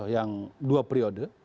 yang dua periode